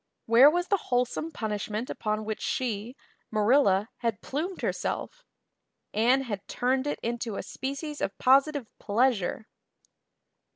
Where was the wholesome punishment upon which she, Marilla, had plumed herself? Anne had turned it into a species of positive pleasure.